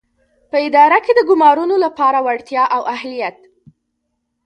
په اداره کې د ګومارنو لپاره وړتیا او اهلیت.